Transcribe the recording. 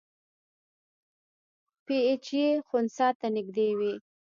پی ایچ یې خنثی ته نږدې وي.